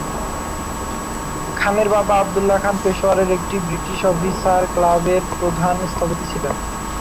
খানের বাবা, আবদুল্লাহ খান পেশোয়ারের একটি ব্রিটিশ অফিসার ক্লাবের প্রধান স্থপতি ছিলেন।